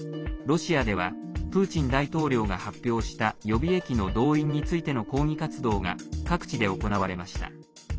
ロシアではプーチン大統領が発表した予備役の動員についての抗議活動が各地で行われました。